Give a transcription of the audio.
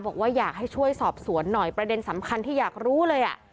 บอกว่าอยากให้ช่วยสอบสวนหน่อยประเด็นสำคัญที่อยากรู้เลย